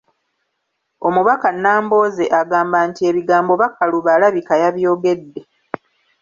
Omubaka Nambooze agamba nti ebigambo Bakaluba alabika yabyogedde.